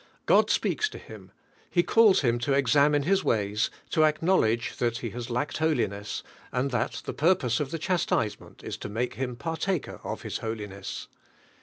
God speaks to him. He calls him to exam ine His ways, to acknowledge that he has lacked holiness, and that the purpose of <l» MVOTE ui.ai.ing. the chastisement is to make him partaker of His holiness.